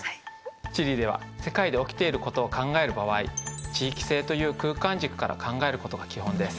地理では世界で起きていることを考える場合地域性という空間軸から考えることが基本です。